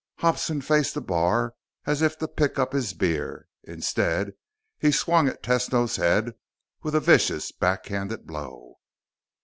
Hobson faced the bar as if to pick up his beer; instead, he swung at Tesno's head with a vicious backhanded blow.